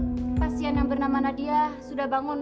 pasien yang bernama nadia sudah bangun